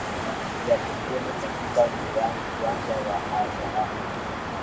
ya kusini katika uwanja wa al gharafa